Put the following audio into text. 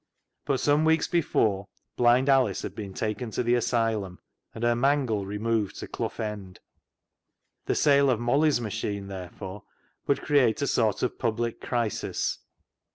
But some weeks before Blind Alice had been taken to the Asylum, and her mangle removed to Clough End. The sale of Molly's machine therefore would create a sort of public crisis.